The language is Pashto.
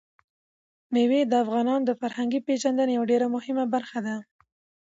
مېوې د افغانانو د فرهنګي پیژندنې یوه ډېره مهمه برخه ده.